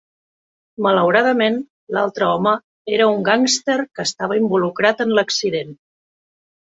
Malauradament, l'altre home era un gàngster que estava involucrat en l'accident.